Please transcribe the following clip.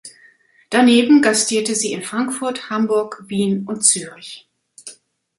Daneben gastierte sie in Frankfurt, Hamburg, Wien und Zürich.